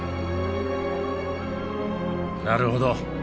なるほど。